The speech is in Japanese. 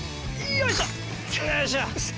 よいしょ。